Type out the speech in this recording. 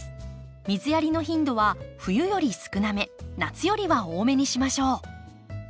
水やりの頻度は冬より少なめ夏よりは多めにしましょう。